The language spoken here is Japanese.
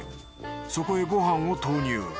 そこへご飯を投入。